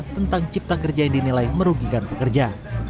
tentang cipta kerja yang dinilai merugikan pekerja